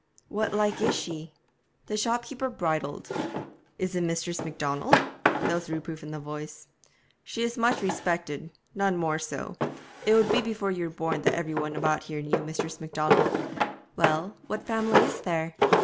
'What like is she?' The shopkeeper bridled. 'Is it Mistress Macdonald?' There was reproof in the voice. 'She is much respectet none more so. It would be before you were born that every one about here knew Mistress Macdonald.' 'Well, what family is there?'